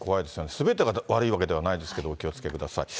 すべてが悪いわけではないですけど、お気をつけください。